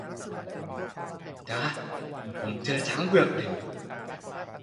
จ่า ผมเจอช้างเผือก